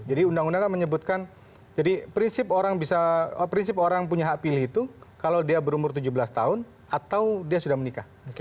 jadi undang undang menyebutkan prinsip orang punya hak pilih itu kalau dia berumur tujuh belas tahun atau dia sudah menikah